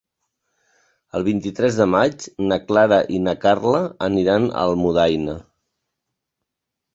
El vint-i-tres de maig na Clara i na Carla aniran a Almudaina.